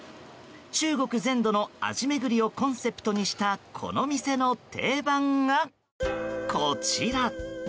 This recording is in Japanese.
中国全土の味巡りをコンセプトにしたこの店の定番がこちら！